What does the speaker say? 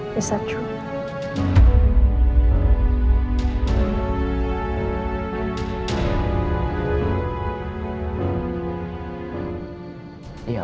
apakah itu benar